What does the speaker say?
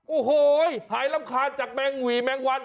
โอ้โหหายรำคาญจากแมงหวี่แมงวัน